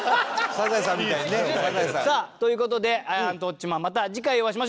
『サザエさん』。という事で『アンタウォッチマン！』また次回お会いしましょう。